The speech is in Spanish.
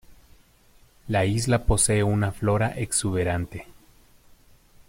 La isla posee una flora exuberante.